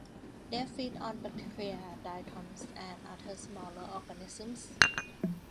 They feed on bacteria, diatoms, and other smaller organisms.